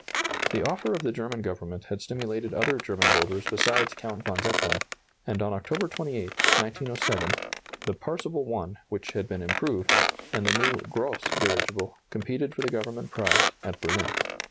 The offer of the German Government had stimulated other German builders besides Count von Zeppelin, and on October 28, 1907, the Parseval I, which had been improved, and the new Gross dirigible, competed for the government prize, at Berlin.